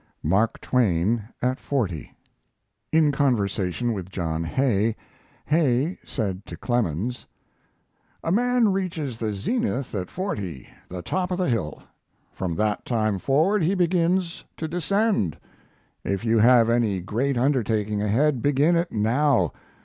MARK TWAIN AT FORTY In conversation with John Hay, Hay said to Clemens: "A man reaches the zenith at forty, the top of the hill. From that time forward he begins to descend. If you have any great undertaking ahead, begin it now.